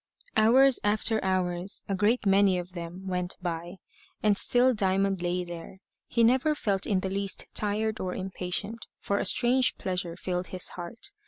Hours after hours, a great many of them, went by; and still Diamond lay there. He never felt in the least tired or impatient, for a strange pleasure filled his heart.